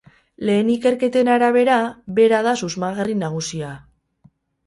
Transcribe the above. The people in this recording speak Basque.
Lehen ikerketen arabera, bera da susmagarri nagusia.